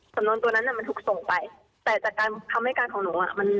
สำนวนตัวนั้นมันถูกส่งไปแต่จากคำให้การของหนูอะ